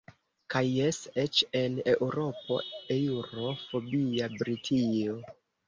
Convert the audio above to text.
Kaj jes – eĉ en eŭropo-, eŭro-fobia Britio.